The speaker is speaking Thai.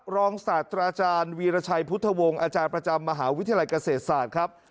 ศาสตราจารย์วีรชัยพุทธวงศ์อาจารย์ประจำมหาวิทยาลัยเกษตรศาสตร์ครับ